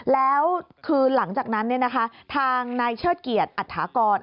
แล้วคือหลังจากนั้นทางนายเชิดเกียรติอัฐากร